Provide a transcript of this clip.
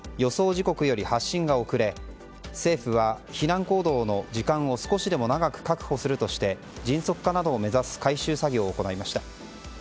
時刻より発信が遅れ政府は、避難行動の時間を少しでも長く確保するとして迅速化などを目指す改修作業を行いました。